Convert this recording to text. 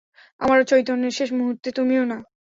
আমার চৈতন্যের শেষ মুহূর্ত তুমিই নাও।